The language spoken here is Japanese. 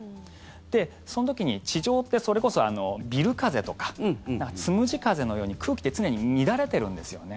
で、その時に地上って、それこそビル風とかつむじ風のように空気って常に乱れているんですよね。